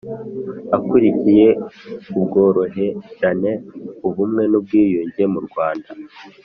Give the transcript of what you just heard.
Akuriye ubworoherane ubumwe n’ubwiyunge mu Rwanda